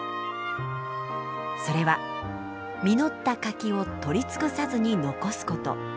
それは実った柿を採り尽くさずに残すこと。